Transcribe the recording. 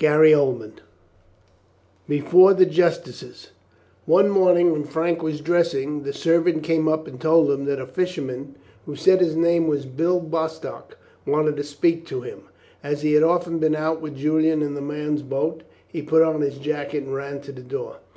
CHAPTER II BEFORE THE JUSTICES One morning when Frank was dressing, the servant came up and told him that a fisherman, who said his name was Bill Bostock, wanted to speak to him. As he had often been out with Julian in the man's boat, he put on his jacket and ran to the door.